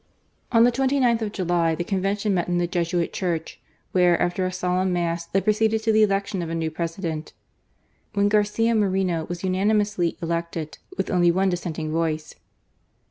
On the 29th of July, the Convention met in the Jesuit church, where, after a Solemn Mass, they ftfoceeded to the election of a new President, when 'Garcia Moreno was unanimously elected, with only one dissenting voice.